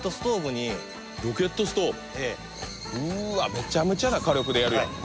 めちゃめちゃな火力でやるやん